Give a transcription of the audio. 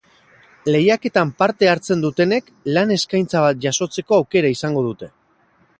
Lehiaketan parte hartzen dutenek lan-eskaintza bat jasotzeko aukera izango dute.